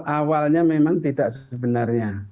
awalnya memang tidak sebenarnya